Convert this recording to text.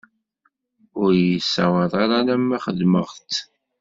Ur yi-ssawaḍ ara alamma xedmeɣ-tt.